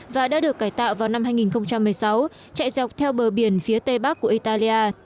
và đã được cải tạo vào năm hai nghìn một mươi sáu chạy dọc theo bờ biển phía tây bắc của italia